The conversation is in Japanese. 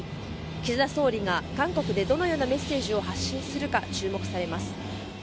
岸田総理が韓国でどのようなメッセージを発信するか注目されます。